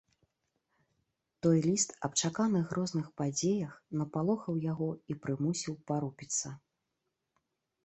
Той ліст аб чаканых грозных падзеях напалохаў яго і прымусіў парупіцца.